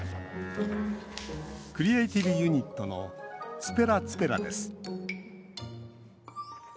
クリエーティブユニットのｔｕｐｅｒａｔｕｐｅｒａです。